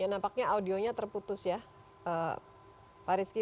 nampaknya audionya terputus ya pak rizky